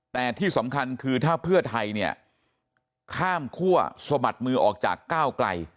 แต่ที่สำคัญคือถ้าเพื่อไทยเนี่ยข้ามคั่วสมัครมือออกจากก้าวไกล